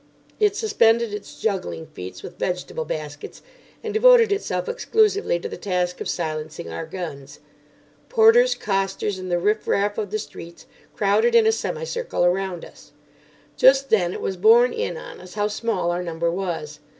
It suspended its juggling feats with vegetable baskets, and devoted itself exclusively to the task of silencing our guns. Porters, costers, and the riff raff of the streets crowded in a semicircle around us. Just then it was borne in on us how small our number was.